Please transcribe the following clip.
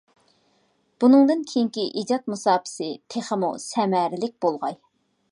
بۇنىڭدىن كېيىنكى ئىجاد مۇساپىسى تېخىمۇ سەمەرىلىك بولغاي.